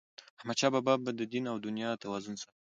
احمدشاه بابا به د دین او دنیا توازن ساته.